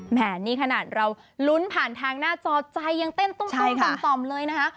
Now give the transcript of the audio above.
แหมนี่ขนาดเราลุ้นผ่านทางหน้าจอใจยังเต้นตุ้มต่อมเลยนะคะ